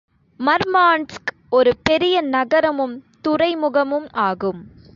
மர்மான்ஸ்க் ஒரு பெரிய நகரமும் துறை முகமும் ஆகும்.